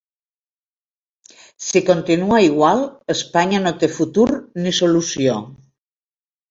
Si continua igual, Espanya no té futur ni solució.